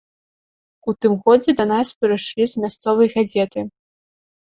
У тым годзе да нас прыйшлі з мясцовай газеты.